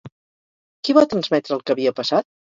Qui va transmetre el que havia passat?